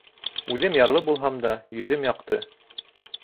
Үҙем ярлы булһам да йөҙөм яҡты.